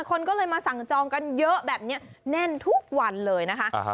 คนก็เลยมาสั่งจองกันเยอะแบบนี้แน่นทุกวันเลยนะคะ